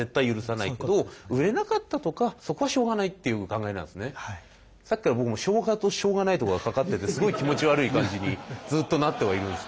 見た目は悪いんですが要するにそういうさっきから僕も「しょうが」と「しょうがない」とがかかっててすごい気持ち悪い感じにずっとなってはいるんですけど。